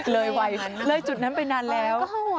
เลยไว้เลยจุดนั้นประนานหลายแล้ว